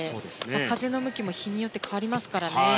風の向きも日によって変わりますからね。